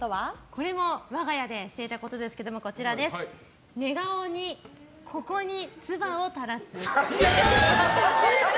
これも我が家でしていたことですけれども寝顔に、ここにつばを垂らす。